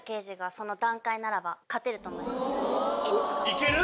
いける？